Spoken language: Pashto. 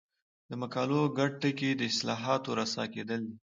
د مقالو ګډ ټکی د اصطلاحاتو رسا کېدل دي.